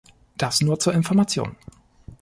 Das nur zur Information!